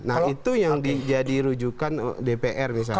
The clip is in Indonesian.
nah itu yang jadi rujukan dpr misalnya